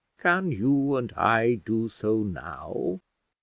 Can you and I do so now?